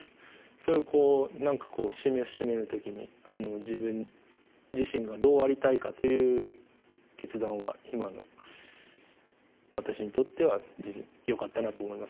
そういう節目節目の時に自分自身がどうありたいかという決断は今の私にとってはよかったなと思います。